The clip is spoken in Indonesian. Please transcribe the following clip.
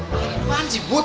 makan berduaan sih bud